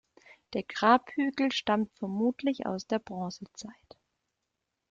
Der Grabhügel stammt vermutlich aus der Bronzezeit.